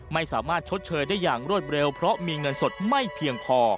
ไม่สามารถชดเชยได้อย่างรวดเร็วเพราะมีเงินสดไม่เพียงพอ